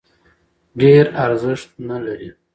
ډېر ارزښت نه لري.